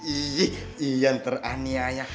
iya iya yang teraniaya